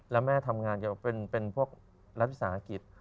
แล้วแม่ทำงานเป็นพวกรัฐศาสนาธิต